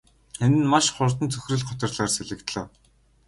Энэ нь маш хурдан цөхрөл гутралаар солигдлоо.